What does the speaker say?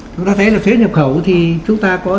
chúng ta thấy là thuế nhập khẩu thì chúng ta có